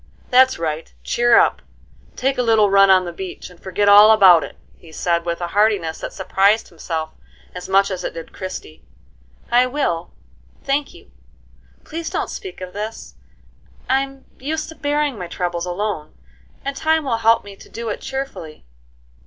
"That's right, cheer up, take a little run on the beach, and forget all about it," he said, with a heartiness that surprised himself as much as it did Christie. "I will, thank you. Please don't speak of this; I'm used to bearing my troubles alone, and time will help me to do it cheerfully."